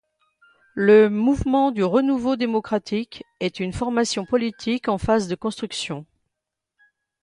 Le Mouvement du renouveau démocratique est une formation politique en phase de construction.